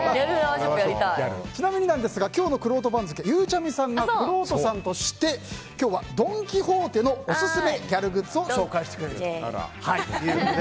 ちなみにですが今日のくろうと番付ゆうちゃみさんがくろうとさんとして今日はドン・キホーテのオススメギャルグッズを紹介してくれるということで。